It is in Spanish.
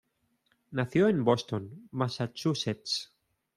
Nación en Boston, Massachusetts.